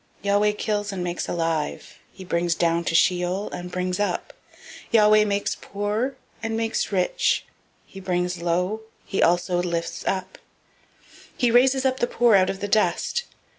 002:006 Yahweh kills, and makes alive. He brings down to Sheol, and brings up. 002:007 Yahweh makes poor, and makes rich. He brings low, he also lifts up. 002:008 He raises up the poor out of the dust.